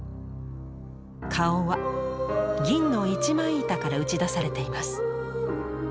顔は銀の一枚板から打ち出されています。